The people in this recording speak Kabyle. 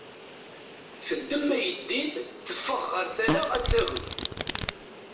Teddem ayeddid, teffeɣ ɣer tala ad d-tagem.